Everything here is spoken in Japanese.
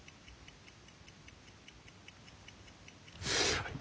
はい。